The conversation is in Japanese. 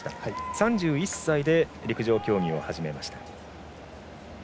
３１歳で陸上競技を始めました。